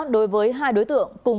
đối với hai đối tượng